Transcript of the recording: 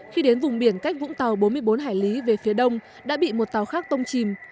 khi đến vùng biển cách vũng tàu bốn mươi bốn hải lý về phía đông đã bị một tàu khác tông chìm